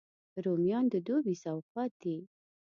رومیان د دوبي سوغات دي